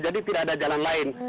jadi tidak ada jalan lain